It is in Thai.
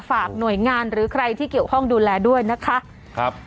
ฝากหน่วยงานหรือใครที่เกี่ยวข้องดูแลด้วยนะคะครับ